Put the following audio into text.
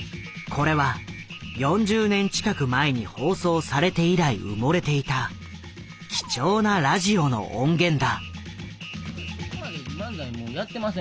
これは４０年近く前に放送されて以来埋もれていた貴重なラジオの音源だ。